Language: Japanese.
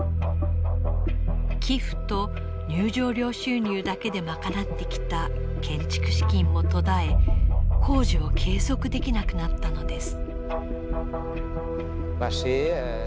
寄付と入場料収入だけで賄ってきた建築資金も途絶え工事を継続できなくなったのです。